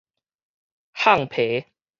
胮皮